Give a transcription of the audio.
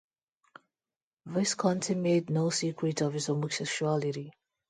Visconti made no secret of his homosexuality.